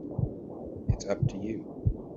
It's up to you.